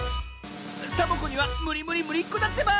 サボ子にはむりむりむりっこだってば。